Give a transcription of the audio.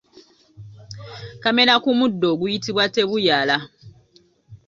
Kamera ku muddo oguyitibwa tebuyala.